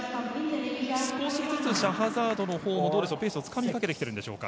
少しずつシャハザードのほうもどうでしょうペースをつかみかけているのでしょうか。